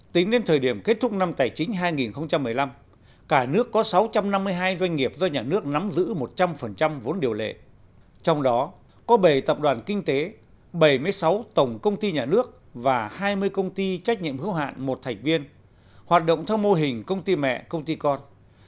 tính đến thời điểm kết thúc năm tài chính hai nghìn một mươi năm cả nước có sáu trăm năm mươi hai doanh nghiệp do nhà nước nắm giữ một trăm linh vốn điều lệ trong đó có bảy tập đoàn kinh tế bảy mươi sáu tổng công ty nhà nước và hai mươi công ty trách nhiệm hữu hạn một thành viên hoạt động theo mô hình công ty mẹ công ty con